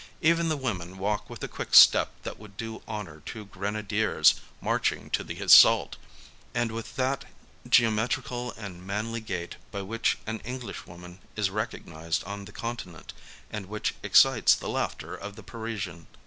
Even the women walk with a quick step that would do honour to grenadiers marching to the assault, — with that geometrical and manly gait by which an Englishwoman is recognized on the Continent, and which excites the laughter of the Parisian chit.